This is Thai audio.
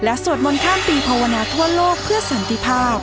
สวดมนต์ข้ามปีภาวนาทั่วโลกเพื่อสันติภาพ